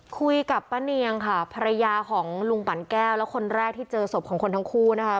คุยกับป้าเนียงค่ะภรรยาของลุงปั่นแก้วแล้วคนแรกที่เจอศพของคนทั้งคู่นะคะ